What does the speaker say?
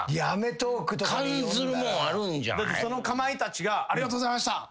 だってそのかまいたちが「ありがとうございました」